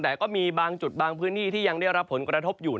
แต่ก็มีบางจุดบางพื้นที่ที่ยังได้รับผลกระทบอยู่